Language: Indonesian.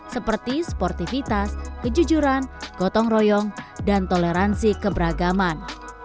seperti sportivitas kejujuran gotong royong dan toleransi keberagaman